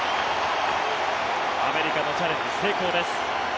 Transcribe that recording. アメリカのチャレンジ成功です。